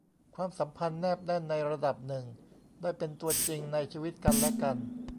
ความสัมพันธ์แนบแน่นในระดับหนึ่ง ได้เป็นตัวจริงในชีวิตกันและกัน